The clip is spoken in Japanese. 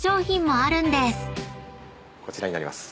こちらになります。